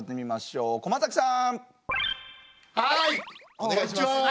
お願いします。